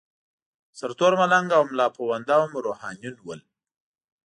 سرتور ملنګ او ملاپوونده هم روحانیون ول.